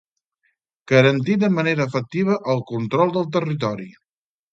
Garantir de manera efectiva el control del territori